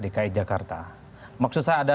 dki jakarta maksud saya ada